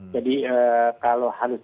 jadi kalau harus